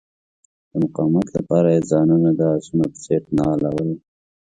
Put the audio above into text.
د مقاومت لپاره یې ځانونه د آسونو په څیر نالول.